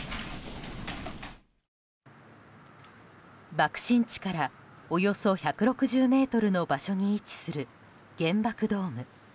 爆心地からおよそ１６０ｍの場所に位置する原爆ドーム。